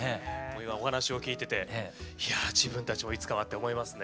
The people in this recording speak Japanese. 今お話を聞いてていや自分たちもいつかはって思いますね。